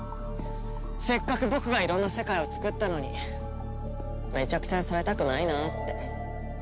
せっかく僕がいろんな世界をつくったのにめちゃくちゃにされたくないなあって。